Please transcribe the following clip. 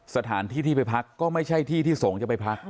สถานที่ที่ไปพักก็ไม่ใช่ที่ที่สงฆ์จะไปพัก